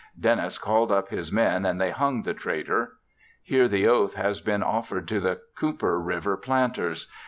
Dennis called up his men and they hung the traitor. Hear the oath has been offered to the Cooper river planters.